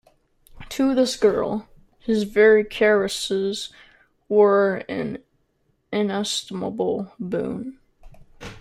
To this girl his very caresses were an inestimable boon.